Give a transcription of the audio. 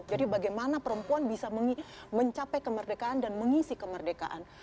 jadi bagaimana perempuan bisa mencapai kemerdekaan dan mengisi kemerdekaan